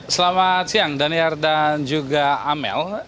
selamat siang daniar dan juga amel